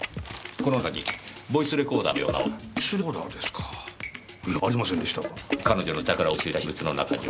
この中にボイスレコーダーのようなものは？